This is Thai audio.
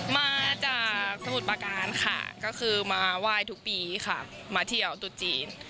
มาจากสมุทรประการค่ะก็คือมาไหว้ทุกปีค่ะมาเที่ยวตุดจีน